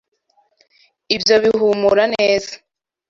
Ibyo bihumura neza